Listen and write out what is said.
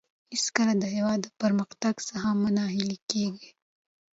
هېڅکله د هېواد د پرمختګ څخه مه ناهیلي کېږئ.